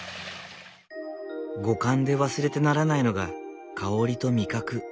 五感で忘れてならないのが香りと味覚。